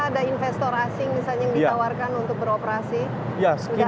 apakah ada investor asing yang ditawarkan untuk beroperasi